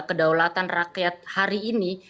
kedaulatan rakyat hari ini